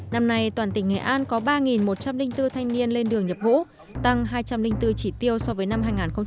năm nay toàn tỉnh nghệ an có ba một trăm linh bốn thanh niên lên đường nhập ngũ tăng hai trăm linh bốn chỉ tiêu so với năm hai nghìn một mươi tám